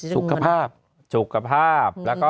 สุขภาพสุขภาพแล้วก็